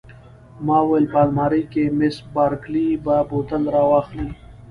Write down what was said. ما وویل: په المارۍ کې، مس بارکلي به بوتل را واخلي.